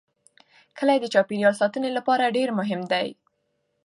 کلي د چاپیریال ساتنې لپاره ډېر مهم دي.